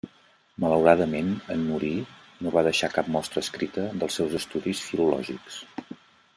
Malauradament, en morir no va deixar cap mostra escrita dels seus estudis filològics.